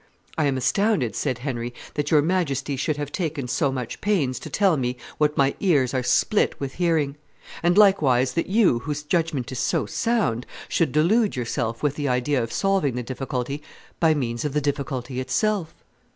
"I am astounded," said Henry, "that your Majesty should have taken so much pains to tell me what my ears are split with hearing; and likewise that you, whose judgment is so sound, should delude yourself with the idea of solving the difficulty by means of the difficulty itself.